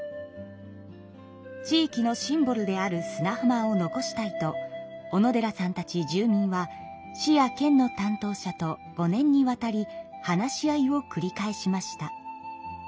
地域のシンボルである砂浜を残したいと小野寺さんたち住民は市や県の担当者と５年にわたり話し合いをくり返しました。